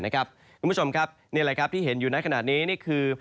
นี่คุณผู้ชมครับที่เห็นอยู่นั้นขนาดนี้คือ